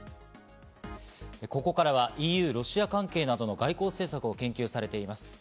ここからはＥＵ、ロシア関係などの外交政策を研究されています